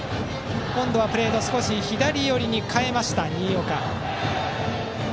今度はプレート少し左寄りに変えた新岡。